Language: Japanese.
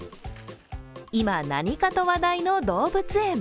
今、何かと話題の動物園。